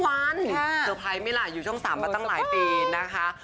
สเตอร์ไพรส์ไม่หลายอยู่ช่อง๓มาตั้งหลายปีนะคะ